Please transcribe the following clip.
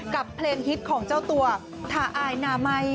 กับเพลงฮิตของเจ้าตัวทาอายนามัย